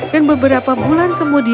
dan beberapa bulan kemudian